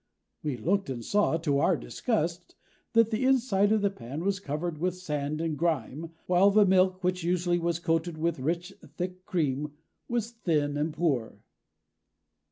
We looked, and saw, to our disgust, that the inside of the pan was covered with sand and grime, while the milk, which usually was coated with rich, thick cream, was thin and poor.